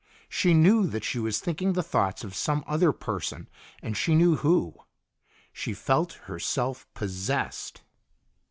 She knew that she was thinking the thoughts of some other person, and she knew who. She felt herself possessed.